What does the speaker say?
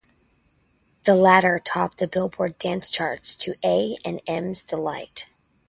The latter topped the Billboard Dance Charts to A and M's delight.